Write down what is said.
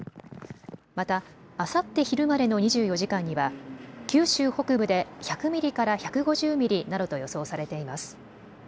また、あさって昼までの２４時間には九州北部で１００ミリから１５０ミリなどと予想されています。